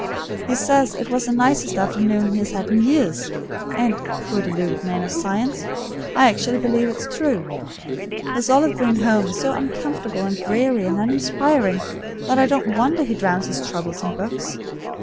He says it was the nicest afternoon he has had in years, and, poor deluded man of science, I actually believe it's true. His olive green home is so uncomfortable and dreary and uninspiring that I don't wonder he drowns his troubles in books.